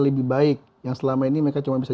lebih baik yang selama ini mereka cuma bisa